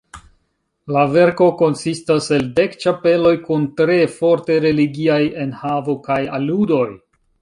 La verko konsistas el dek ĉapeloj kun tre forte religiaj enhavo kaj aludoj.